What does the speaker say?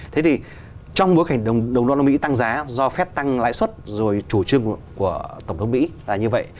thế thì trong bối cảnh đồng đô la mỹ tăng giá do phép tăng lãi suất rồi chủ trương của tổng thống mỹ là như vậy